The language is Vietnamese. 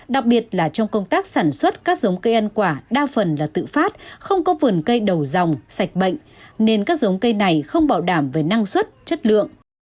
đặc biệt là trong công tác sản xuất các giống cây ăn quả đa phần là tự phát không có vườn cây đầu dòng sạch bệnh nên các giống cây này không bảo đảm về năng suất chất lượng